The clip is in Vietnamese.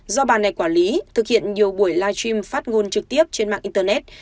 do bà này quản lý thực hiện nhiều buổi live stream phát ngôn trực tiếp trên mạng internet